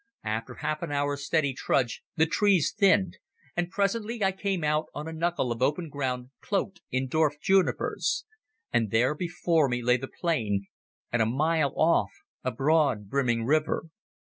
After half an hour's steady trudge the trees thinned, and presently I came out on a knuckle of open ground cloaked in dwarf junipers. And there before me lay the plain, and a mile off a broad brimming river.